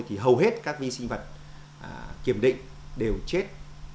thì hầu hết các vi sinh vật kiểm định đều chết chín mươi chín chín